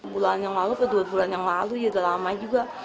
bulan yang lalu dua bulan yang lalu ya udah lama juga